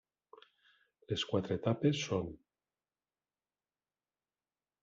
Les quatre etapes són: